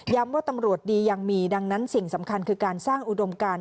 ว่าตำรวจดียังมีดังนั้นสิ่งสำคัญคือการสร้างอุดมการ